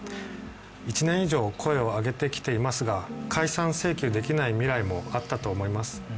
１年以上、声を上げてきていますが、解散請求できない未来もあったと思います。